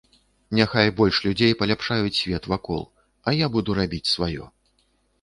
Няхай больш людзей паляпшаюць свет вакол, а я буду рабіць сваё.